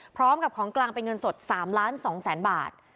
พร้อมกับของกลางเป็นเงินสดสามล้านสองแสนบาท